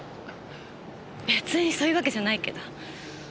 別にそういうわけじゃないけど。